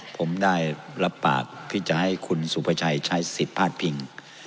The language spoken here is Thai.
ผมได้รับปากที่จะให้คุณสุภาชัยใช้สิทธิ์พาดพิง